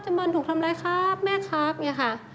จมันถูกทำไรครับแม่ครับอย่างนี้ค่ะ